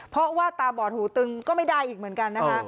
เพราะว่าตาบอดหูตึงก็ไม่ได้อีกเหมือนกันนะคะ